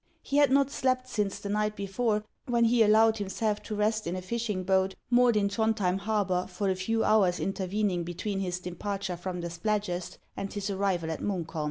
He had not slept since the night before, when he allowed himself to rest in a fishing boat moored in Thrundhjem harbor for the few hours intervening between his departure from the Spladgest and his arrival at Munk holm.